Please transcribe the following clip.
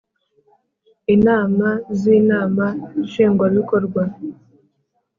Inama z Inama nshingwabikorwa